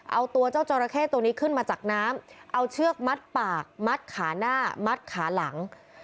เอาตัวเจ้าจอราเข้ตัวนี้ขึ้นมาจากน้ำเอาเชือกมัดปากมัดขาหน้ามัดขาหลัง